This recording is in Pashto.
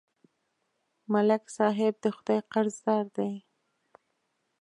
ملک صاحب د خدای قرضدار دی.